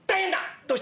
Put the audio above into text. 「どうした？